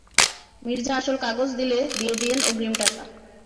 মির্জা আসল কাগজ দিলে, দিয়ে দিয়েন অগ্রিম টাকা।